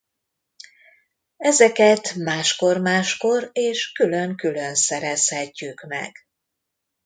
Ezeket máskor-máskor és külön külön szerezhetjük meg.